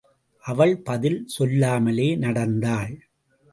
அவள் பதில் சொல்லாமலே நடந்தாள்.